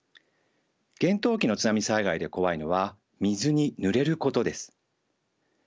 厳冬期の津波災害で怖いのは水にぬれることです。